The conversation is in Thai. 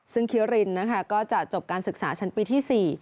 ซึ่งเครียรินตันตีก็จะจบการศึกษาชั้นปีที่๔